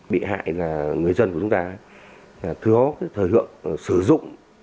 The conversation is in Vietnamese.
bị hại là người dân của chúng ta thừa thời hợp sử dụng